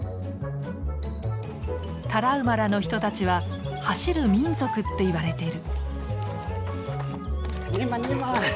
タラウマラの人たちは走る民族っていわれてる。